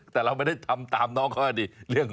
แต่เราไม่ได้ทำตามน้องเขาดี